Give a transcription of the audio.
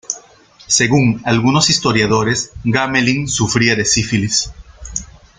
Según algunos historiadores, Gamelin sufría de sífilis.